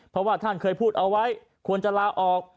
เพราะว่าท่านเคยพูดเอาไว้ควรจะลาออก